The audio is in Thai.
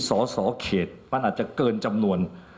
สอสอเขตมันอาจจะเกินจำนวน